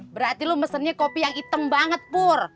berarti lo mesennya kopi yang item banget purr